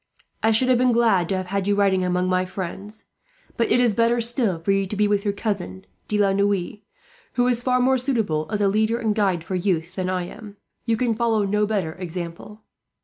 I should have been glad to have had you riding among my friends; but it is better still for you to be with your cousin, De la Noue, who is far more suitable as a leader and guide for youth than I am. You can follow no better example.